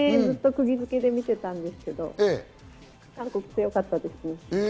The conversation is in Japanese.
ずっと釘付けで見てたんですけど、韓国、強かったですね。